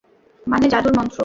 মানে জাদুর মন্ত্র?